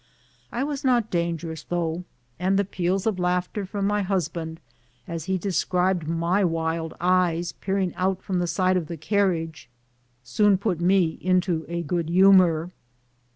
I was not dangerous, though, and the peals of laughter from my husband, as he de scribed my wild eyes peering out from the side of the carriage, soon put me into a good humor.